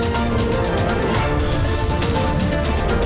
di video selanjutnya